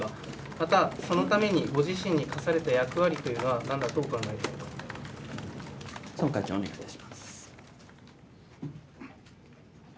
またそのためにご自身に課された役割というのはなんだとお考えだ総務会長お願いいたします。